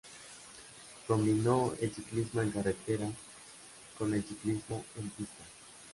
Combinó el ciclismo en carretera con el ciclismo en pista.